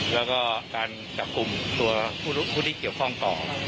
แล้วก็การจับกลุ่มตัวผู้ที่เกี่ยวข้องต่อ